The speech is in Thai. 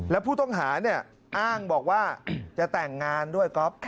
และผู้ต้องหาอ้างบอกว่าจะแต่งงานด้วย